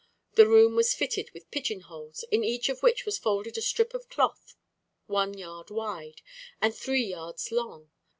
The room was fitted with pigeonholes, in each of which was folded a strip of cloth one yard wide, and three yards long.